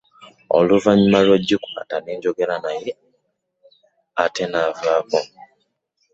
Oluvanyuma nenjikwaata ne njogera naye ate n'avaako .